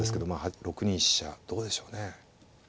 ６二飛車どうでしょうね。